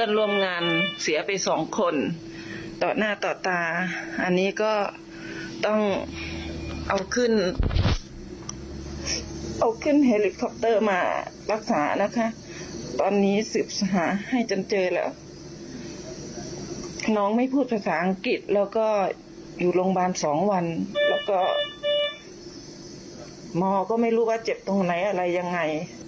น้องไม่พูดภาษาอังกฤษแล้วก็อยู่โรงพยาบาล๒วันแล้วก็หมอก็ไม่รู้ว่าเจ็บตรงไหนอะไรยังไง